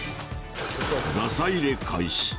ガサ入れ開始。